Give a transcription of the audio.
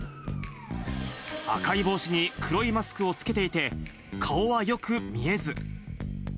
赤い帽子に黒いマスクを着けていて、顔はよく見えず。